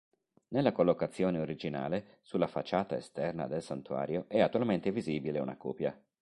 Nella collocazione originale, sulla facciata esterna del Santuario, è attualmente visibile una copia.